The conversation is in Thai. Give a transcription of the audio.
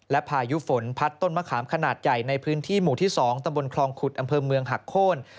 และพายุฝนพัดต้นมะขามขนาดใหญ่ในพื้นที่หมู่ที่๒ตำบลคลองขุดอำเภอเมืองหักโค้น